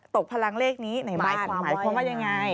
ตกผลังเลขนี้หมายความว่ายังไง